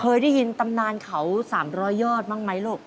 เคยได้ยินตำนานเขาสามรอยยอดมั่งไหมล่ะ